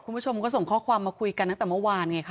คุณผู้ชมก็ส่งข้อความมาคุยกันตั้งแต่เมื่อวานไงค่ะ